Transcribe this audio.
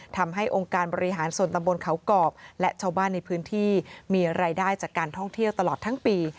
ทำให้องค์การบริหารส่วนตำบลเขากอกและชาวบ้านในพื้นที่มีรายได้จากการท่องเที่ยวตลอดทั้งปี